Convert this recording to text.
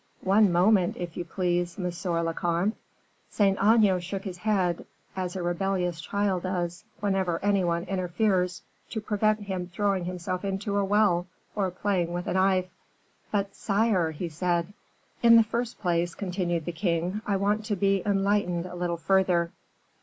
"One moment, if you please, monsieur le comte!" Saint Aignan shook his head, as a rebellious child does, whenever any one interferes to prevent him throwing himself into a well, or playing with a knife. "But, sire," he said. "In the first place," continued the king. "I want to be enlightened a little further."